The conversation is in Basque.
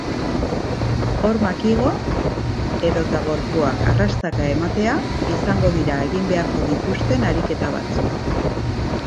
Hormak igo edota gorpuak arrastaka ematea izango dira egin beharko dituzten ariketa batzuk.